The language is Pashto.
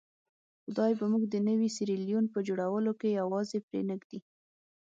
خدای به موږ د نوي سیریلیون په جوړولو کې یوازې پرې نه ږدي.